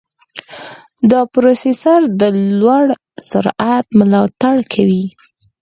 دا پروسېسر د لوړ سرعت ملاتړ کوي.